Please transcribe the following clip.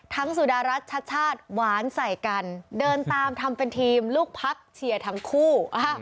สุดารัฐชัชชาติหวานใส่กันเดินตามทำเป็นทีมลูกพักเชียร์ทั้งคู่